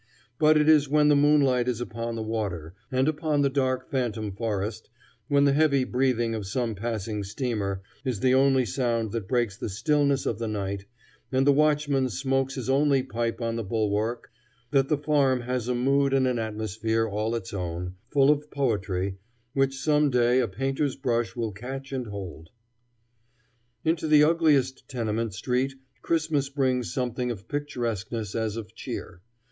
But it is when the moonlight is upon the water and upon the dark phantom forest, when the heavy breathing of some passing steamer is the only sound that breaks the stillness of the night, and the watchman smokes his only pipe on the bulwark, that the Farm has a mood and an atmosphere all its own, full of poetry, which some day a painter's brush will catch and hold. Into the ugliest tenement street Christmas brings something of picturesqueness as of cheer.